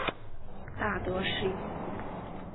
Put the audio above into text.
大德十一年。